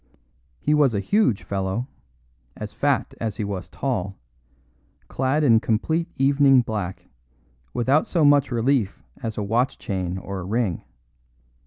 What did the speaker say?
He was a huge fellow, as fat as he was tall, clad in complete evening black, without so much relief as a watch chain or a ring.